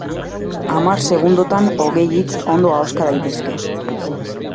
Hamar segundotan hogei hitz ondo ahoska daitezke.